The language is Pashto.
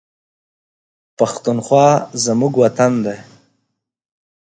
پښتونخوا زموږ وطن دی